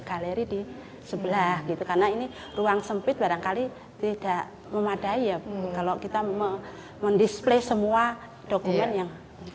galeri di sebelah gitu karena ini ruang sempit barangkali tidak memadai ya kalau kita mendisplay semua dokumen yang